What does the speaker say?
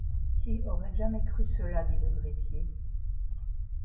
Qui aurait jamais cru cela ? dit le greffier.